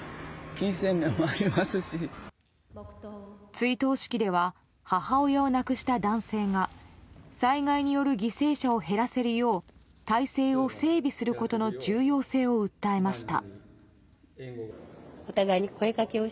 追悼式では母親を亡くした男性が災害による犠牲者を減らせるよう体制を整備することの重要性を訴えました。